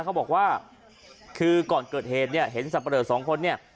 เขาบอกว่าคือก่อนเกิดเหตุเนี่ยเห็นสับปะเลอสองคนเนี่ย